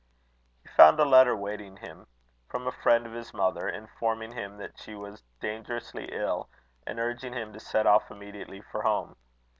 He found a letter waiting him, from a friend of his mother, informing him that she was dangerously ill, and urging him to set off immediately for home.